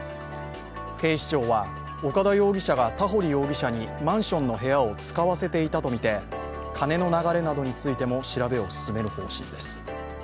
警視庁は岡田容疑者が田堀容疑者にマンションの部屋を使わせていたとみて、金の流れなどについても調べを進める方針です。